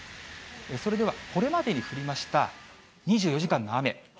それではこれまでに降りました２４時間の雨。